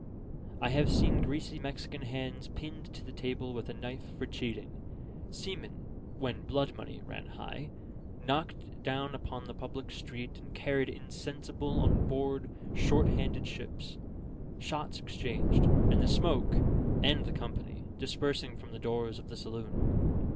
I have seen greasy Mexican hands pinned to the table with a knife for cheating, seamen (when blood money ran high) knocked down upon the public street and carried insensible on board short handed ships, shots exchanged, and the smoke (and the company) dispersing from the doors of the saloon.